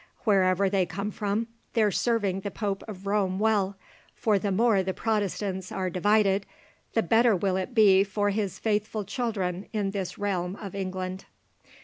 Wherever they spring from, they're serving the Pope of Rome well, for the more the Protestants are divided, the better will it be for his faithful children in this realm of England."